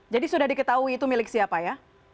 jadi sudah diketahui itu milik siapa ya